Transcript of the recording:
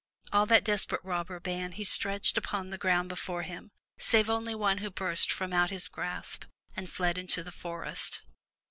All that desperate robber band he stretched upon the ground before him, save only one who burst from out his grasp and fled into the forest.